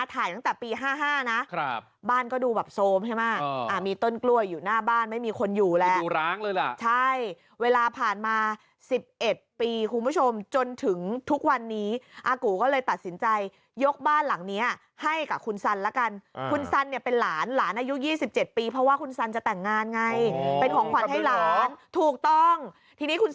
ตั้งแต่ปี๕๕นะบ้านก็ดูแบบโซมใช่ไหมมีต้นกล้วยอยู่หน้าบ้านไม่มีคนอยู่แล้วดูร้างเลยล่ะใช่เวลาผ่านมา๑๑ปีคุณผู้ชมจนถึงทุกวันนี้อากูก็เลยตัดสินใจยกบ้านหลังนี้ให้กับคุณสันละกันคุณซันเนี่ยเป็นหลานหลานอายุ๒๗ปีเพราะว่าคุณสันจะแต่งงานไงเป็นของขวัญให้หลานถูกต้องทีนี้คุณ